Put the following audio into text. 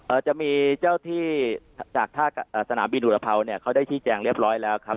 จะมีเจ้าที่จากท่าเอ่อสนามบินอุรภาวเนี่ยเขาได้ชี้แจงเรียบร้อยแล้วครับ